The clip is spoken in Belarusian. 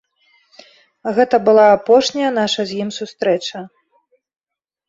Гэта была апошняя наша з ім сустрэча.